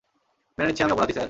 মেনে নিচ্ছি আমি অপরাধী, স্যার।